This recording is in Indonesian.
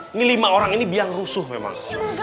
ini lima orang ini biang rusuh memang